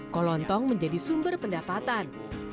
kolontong menjadi sumber pendapatan